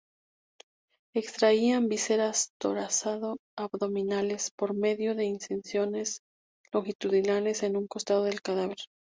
Extraían vísceras torazo-abdominales, por medio de incisiones longitudinales en un costado del cadáver.